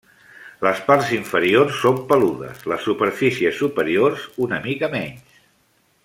Les parts inferiors són peludes, les superfícies superiors una mica menys.